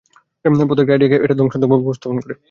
প্রত্যেকটা আইডিয়াকে এটা ধ্বংসাত্মকভাবে উপস্থাপন করে।